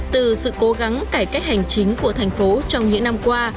từ sự cố gắng cải cách hành chính của thành phố trong những năm qua